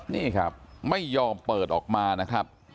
นี่ครับไม่ยอมเปิดออกมานะครับ